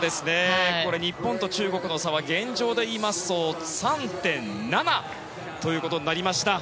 日本と中国の差は現状で言いますと３．７ということになりました。